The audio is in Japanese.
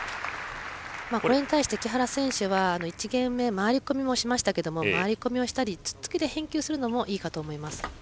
これに対して木原選手は１ゲーム目回り込みもしましたけど回り込みをしたりツッツキで返球するのもいいかと思います。